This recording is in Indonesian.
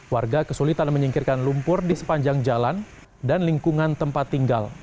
warga kesulitan menyingkirkan lumpur di sepanjang jalan dan lingkungan tempat tinggal